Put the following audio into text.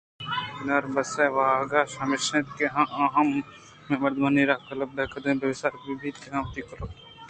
بناربس ءِواہگ ہمیش اِنت کہ آ ہم ہمے مردمانی رم ءُقالبءَ قدّیں سر بہ بیت کہ وتی کہولءِ نامءُتوار ءَ نوک بہ کنت